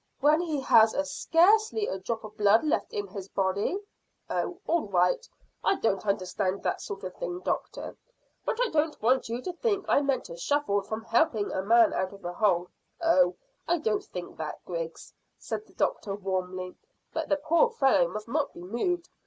"When he has scarcely a drop of blood left in his body?" "Oh, all right; I don't understand that sort of thing, doctor. But I don't want you to think I meant to shuffle from helping a man out of a hole." "Oh, I don't think that, Griggs," said the doctor warmly; "but the poor fellow must not be moved.